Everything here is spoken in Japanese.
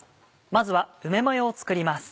まずは梅マヨを作ります。